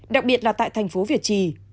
đặc biệt là tại thành phố việt trì